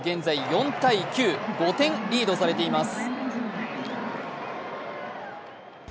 ４−９、５点リードされています。